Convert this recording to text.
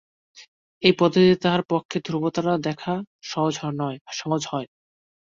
এই পদ্ধতিতে তাহার পক্ষে ধ্রুবতারা দেখা সহজ হয়।